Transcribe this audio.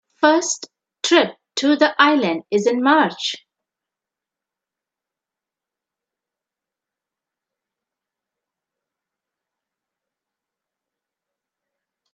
My first trip to the island is in March.